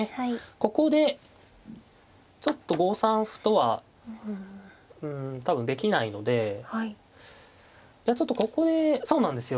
ここでちょっと５三歩とはうん多分できないのでちょっとここでそうなんですよ